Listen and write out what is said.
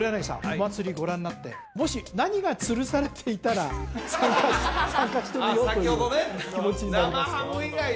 お祭りご覧になってもし何がつるされていたら参加参加してみようという気持ちになりますか？